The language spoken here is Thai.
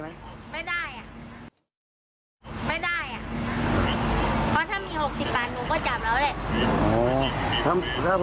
ไม่ได้อ่ะไม่ได้อ่ะเพราะถ้ามี๖๐บาทหนูก็จับแล้วแหละ